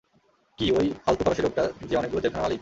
কী, ঐ ফালতু ফরাসি লোকটা, যে অনেকগুলো জেলখানার মালিক?